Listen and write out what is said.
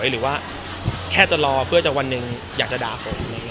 อย่างว่าแค่จะรอเพื่อว่าจะหวั่นหนึ่งอยากจะด่าผม